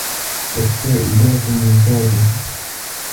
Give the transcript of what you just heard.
وَالسَّائِبَاتُ النِّتَاجُ